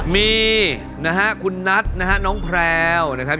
มีนะฮะคุณนัทฯนะฮะน้องแพรว